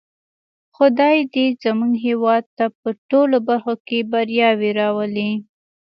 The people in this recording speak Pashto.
خدای دې زموږ هېواد ته په ټولو برخو کې بریاوې راولی.